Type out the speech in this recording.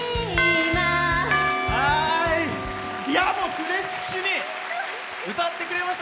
フレッシュに歌ってくれました。